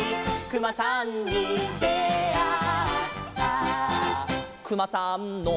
「くまさんの」